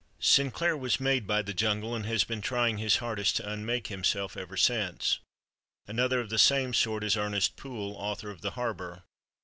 Sinclair was made by "The Jungle" and has been trying his hardest to unmake himself ever since. Another of the same sort is Ernest Poole, author of "The Harbor."